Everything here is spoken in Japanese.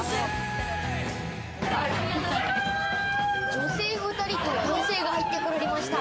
女性２人と男性が入ってこられました。